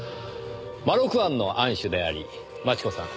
まろく庵の庵主であり真智子さん